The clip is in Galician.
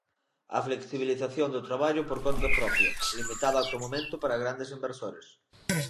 A flexibilización do traballo por conta propia, limitada ata o momento para grandes inversores.